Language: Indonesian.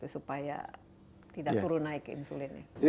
supaya tidak turun naik insulinnya